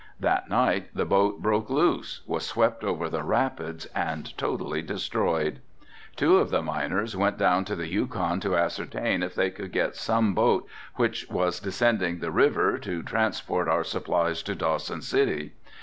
That night the boat broke loose, was swept over the rapids and totally destroyed. Two of the miners went down to the Yukon to ascertain if they could get some boat which was descending the river to transport our supplies to Dawson City.